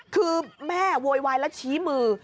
คือแม่โวยวายแล้วชี้มือ